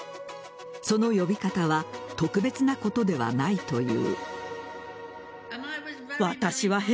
その呼び方は特別なことではないという。